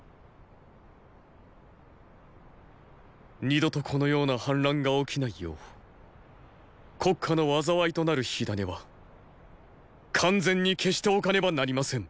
二度とこのような反乱が起きないよう国家の禍となる火種は完全に消しておかねばなりません。